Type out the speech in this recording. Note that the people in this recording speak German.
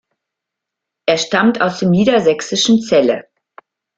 Er stammt aus dem niedersächsischen Celle.